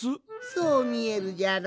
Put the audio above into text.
そうみえるじゃろ？